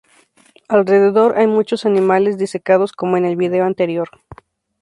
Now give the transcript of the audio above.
Alrededor, hay muchos animales disecados, como en el vídeo anterior.